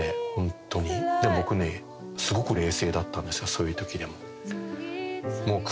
そういうときでも。